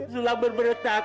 lu gak pernah takut maaf